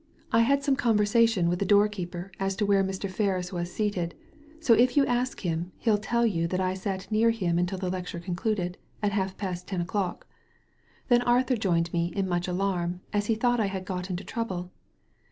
I had some conversation with the door keeper as to where Mr. Ferris was seated ; so if you ask him, he'll tell you that I sat near him until the lecture concluded, at half past ten o'clock. Then Arthur joined me in much alarm, as he thought I had got into trouble.